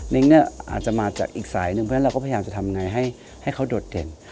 เนี่ยอาจจะมาจากอีกสายหนึ่งเพราะฉะนั้นเราก็พยายามจะทำไงให้เขาโดดเด่น